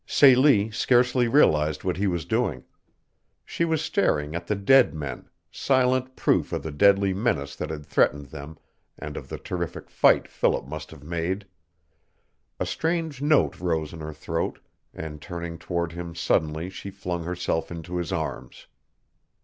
Celie scarcely realized what he was doing. She was staring at the dead men silent proof of the deadly menace that had threatened them and of the terrific fight Philip must have made. A strange note rose in her throat, and turning toward him suddenly she flung herself into his arms.